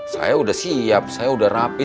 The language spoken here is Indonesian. saya udah siap saya udah rapi